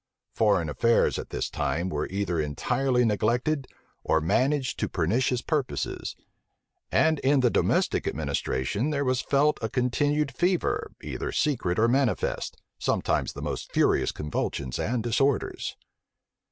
Foreign affairs, at that time, were either entirely neglected, or managed to pernicious purposes: and in the domestic administration there was felt a continued fever, either secret or manifest; sometimes the most furious convulsions and disorders.